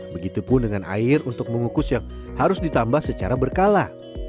begitupun dengan air untuk mengukus yang harus ditambah secara berkala